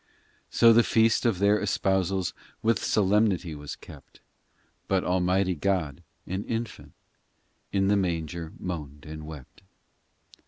IV So the feast of their espousals With solemnity was kept; But Almighty God, an infant ; In the manger moaned and wept.